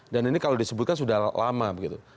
dan ini kalau disebutkan sudah lama begitu